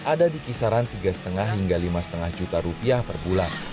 ada di kisaran tiga lima hingga lima lima juta rupiah per bulan